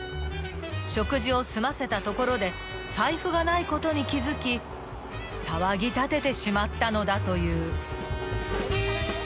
［食事を済ませたところで財布がないことに気付き騒ぎ立ててしまったのだという］